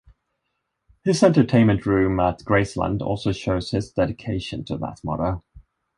His entertainment room at Graceland also shows his dedication to that motto.